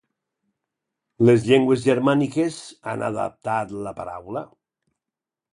Les llengües germàniques han adaptat la paraula?